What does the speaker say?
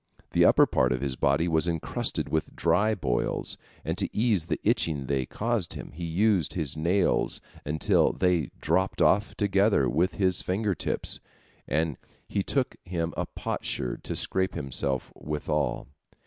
The upper part of his body was encrusted with dry boils, and to ease the itching they caused him, he used his nails, until they dropped off together with his fingertips, and he took him a potsherd to scrape himself withal.